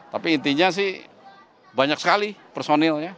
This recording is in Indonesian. tapi intinya sih banyak sekali personilnya